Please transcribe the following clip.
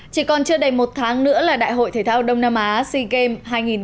chỉ còn chưa đầy một tháng nữa là đại hội thể thao đông nam á sea games hai nghìn hai mươi bốn